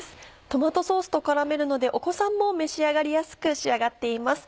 トマトソースと絡めるのでお子さんも召し上がりやすく仕上がっています。